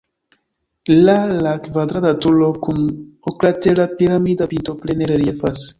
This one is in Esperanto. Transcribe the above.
La la kvadrata turo kun oklatera piramida pinto plene reliefas.